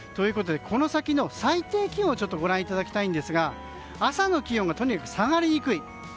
この先の最低気温をご覧いただきたいんですが朝の気温がとにかく下がりにくい。